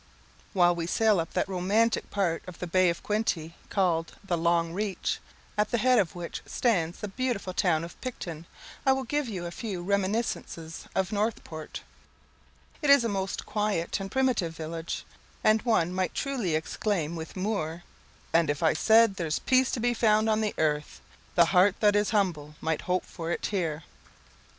While we sail up that romantic part of the Bay of Quinte, called the "Long Reach," at the head of which stands the beautiful town of Picton, I will give you a few reminiscences of Northport. It is a most quiet and primitive village, and one might truly exclaim with Moore "And I said if there's peace to be found on the earth, The heart that is humble might hope for it here."